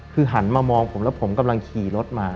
คือหันมามองผมแล้วผมกำลังขี่รถมา